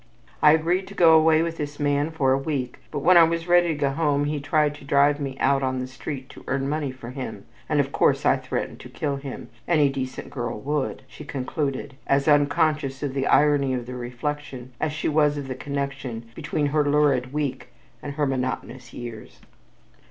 I agreed to go away with this man for a week but when I was ready to go home he tried to drive me out on the street to earn money for him and, of course, I threatened to kill him any decent girl would," she concluded, as unconscious of the irony of the reflection as she was of the connection between her lurid week and her monotonous years.